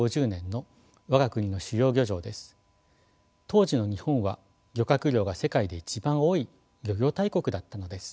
当時の日本は漁獲量が世界で一番多い漁業大国だったのです。